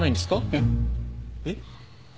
えっ。えっ？